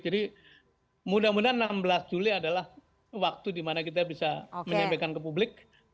jadi mudah mudahan enam belas juli adalah waktu dimana kita bisa menyampaikan ke publik